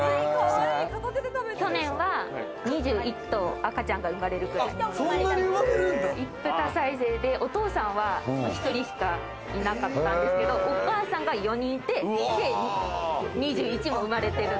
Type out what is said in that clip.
去年は２１頭、赤ちゃんが産まれるくらい、一夫多妻制で、お父さんは１人しかいなかったんですけど、お母さんが４人いて、２１も生まれてる。